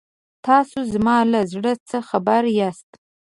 تاسو زما له زړه څخه خبر یاست.